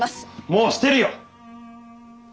もうしてるよ！